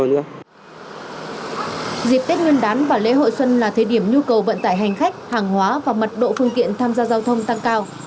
dịp tết nguyên đán và lễ hội xuân là thời điểm nhu cầu vận tải hành khách hàng hóa và mật độ phương tiện tham gia giao thông tăng cao